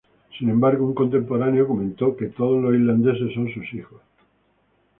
Sin embargo, un contemporáneo comentó que "todos los islandeses son sus hijos".